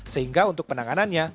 sehingga untuk penanganannya